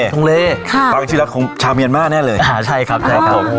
ทงเลค่ะฟังชีวิตรักของชาวเมียนมากแน่เลยอ่าใช่ครับใช่ครับอ๋อ